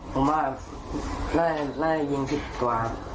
ผมว่าน่าจะยิงผิดตัว